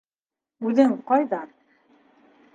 - Үҙең ҡайҙан?